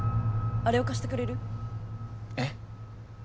あれをかしてくれる？え？